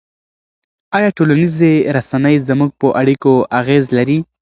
آیا ټولنیزې رسنۍ زموږ په اړیکو اغېز لري؟